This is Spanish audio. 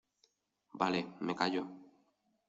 vale, me callo.